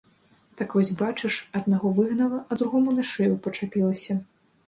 Так вось бачыш, аднаго выгнала, а другому на шыю пачапілася.